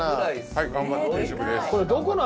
はい頑張っ定食です。